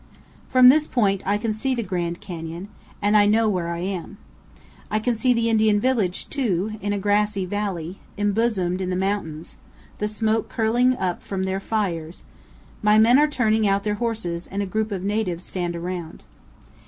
From this point I can see the Grand Canyon, and I know where I am. I can see the Indian village, too, in a grassy valley, em bosomed in the mountains, the smoke curling up from their fires; my men are turning out their horses and a group of natives stand around.